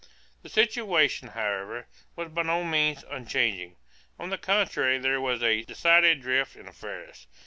The situation, however, was by no means unchanging. On the contrary there was a decided drift in affairs.